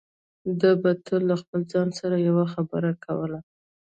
ده به تل له خپل ځان سره يوه خبره کوله.